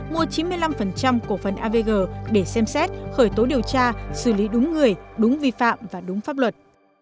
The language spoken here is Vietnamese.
mua chín mươi năm cổ phần avg để xem xét khởi tố điều tra xử lý đúng người đúng vi phạm và đúng pháp luật